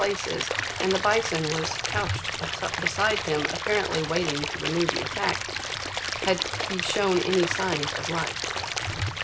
places, and the Bison was couched beside him, apparently wait ing to renew the attack, had he shown any signs of life.